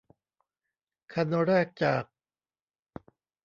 คันแรกจาก